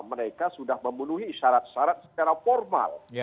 mereka sudah memenuhi syarat syarat secara formal